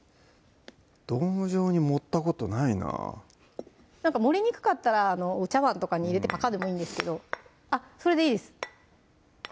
ドーム状に盛ったことないな盛りにくかったらお茶碗とかに入れてパカッでもいいんですけどあっそれでいいです